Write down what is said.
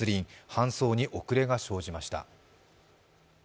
搬送に遅れが生じました。